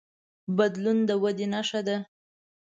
بدلون د ودې نښه ده.